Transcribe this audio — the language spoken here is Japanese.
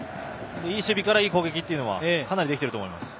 いい守備からいい攻撃というのはかなりできていると思います。